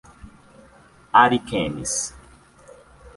Ariquemes